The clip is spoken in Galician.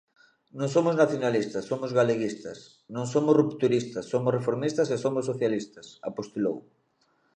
"Non somos nacionalistas, somos galeguistas, non somos rupturistas, somos reformistas e somos socialistas", apostilou.